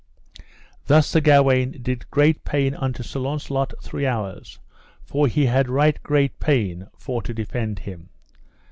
Thus Sir Gawaine did great pain unto Sir Launcelot three hours, that he had right great pain for to defend him.